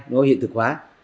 nó hiện thực hóa